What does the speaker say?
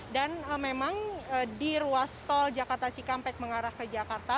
dan memang di ruas tol jakarta cikampek mengarah ke jakarta